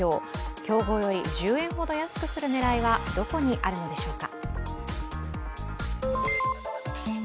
競合より１０円ほど安くする狙いは、どこにあるのでしょうか。